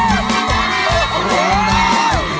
ข้อพิธีพิธี